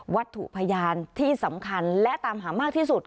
วัตถุพยานที่สำคัญและตามหามากที่สุด